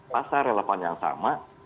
pasar relevan yang sama